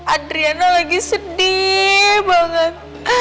adriana lagi sedih banget